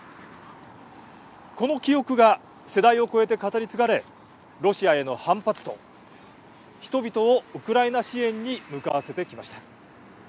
この記憶が世代を超えて語り継がれロシアへの反発と人々をウクライナ支援に向かわせてきました。